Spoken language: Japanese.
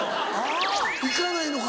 行かないのか？